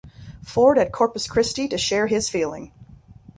Ford at Corpus Christi to share his feeling.